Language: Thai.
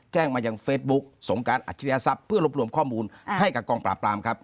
แจ้งมายังเฟซบุ๊กสงการอัชริยทรัพย์เพื่อรวบรวมข้อมูลให้กับกองปราบปรามครับ